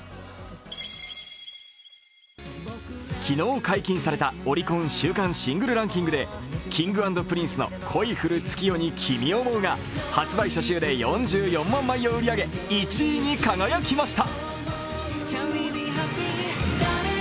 昨日解禁されたオリコン週間シングルランキングでＫｉｎｇ＆Ｐｒｉｎｃｅの「恋降る月夜に君想ふ」が発売初週で４４万枚を売り上げ１位に輝きました。